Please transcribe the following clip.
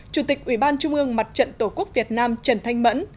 chủ tịch ủy ban trung ương mặt trận tổ quốc việt nam trần thanh mẫn